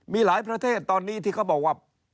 มีหลายประเทศตอนนี้ที่เขาบอกว่า